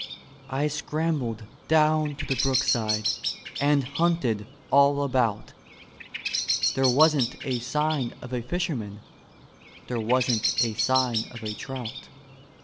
I scrambled down to the brookside and hunted all about; There wasn't a sign of a fi^ennan ; there wasn't a sign of a trout.